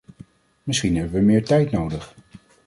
Misschien hebben we meer tijd nodig.